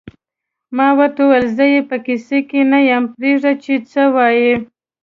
ما ورته وویل: زه یې په کیسه کې نه یم، پرېږده چې څه وایې.